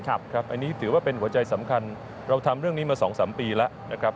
อันนี้ถือว่าเป็นหัวใจสำคัญเราทำเรื่องนี้มา๒๓ปีแล้วนะครับ